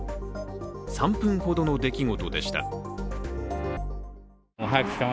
３分ほどの出来事でした。